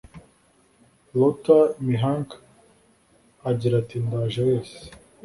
Lothar Mihank agira ati ndaje wese